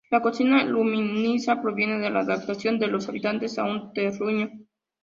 La cocina limusina proviene de la adaptación de los habitantes a un terruño.